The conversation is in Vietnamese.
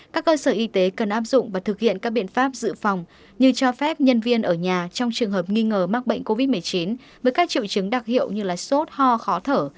các cơ sở y tế cần áp dụng và thực hiện các biện pháp dự phòng như cho phép nhân viên ở nhà trong trường hợp nghi ngờ mắc bệnh covid một mươi chín với các triệu chứng đặc hiệu như sốt ho khó thở